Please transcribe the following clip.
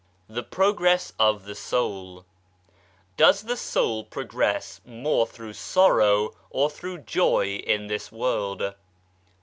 THE PROGRESS OF THE SOUL " Does the soul progress more through sorrow or through joy in this world